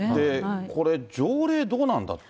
これ、条例、どうなんだって。